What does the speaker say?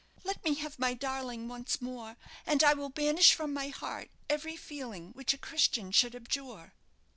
Let me have my darling once more, and I will banish from my heart every feeling which a Christian should abjure."